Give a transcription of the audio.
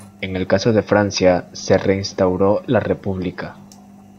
En el caso de Francia se reinstauró la república.